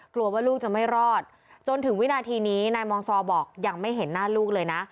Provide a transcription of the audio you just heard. กลัวว่าลูกจะไม่รอดจนถึงวินาทีนี้นายมองซอบอกยังไม่เห็นหน้าลูกเลยนะ